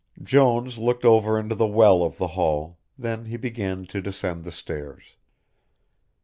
Jones looked over into the well of the hall, then he began to descend the stairs.